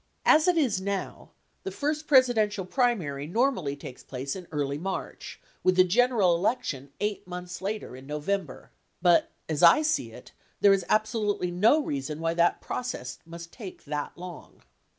As it is now, the first Presidential primary normally takes place in early March with the general election 8 months later, in November. 1112 But, as I see it, there is absolutely no reason why that process must take that long.